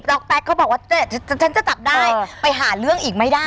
แต๊กก็บอกว่าฉันจะจับได้ไปหาเรื่องอีกไม่ได้